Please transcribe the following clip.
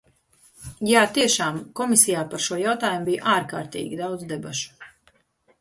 Jā, tiešām komisijā par šo jautājumu bija ārkārtīgi daudz debašu.